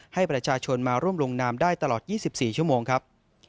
ให้ประชาชนมาร่วมลงนามได้ตลอด๒๔ชั่วโมงครับ